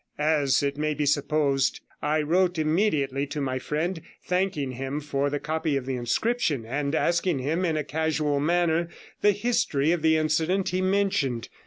As it may be supposed, I wrote immediately to my friend, thanking him for the copy of the inscription, and asking him in a casual manner the history of the incident he mentioned.